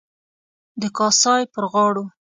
د کاسای پر غاړو.